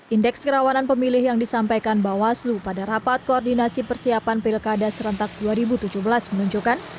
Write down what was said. indeks kerawanan pemilih yang disampaikan bawaslu pada rapat koordinasi persiapan pilkada serentak dua ribu tujuh belas menunjukkan